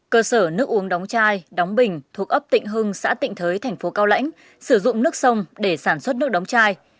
cơ sở nước uống đóng chai đóng bình thuộc ấp tịnh hưng xã tịnh thới thành phố cao lãnh sử dụng nước sông để sản xuất nước đóng chai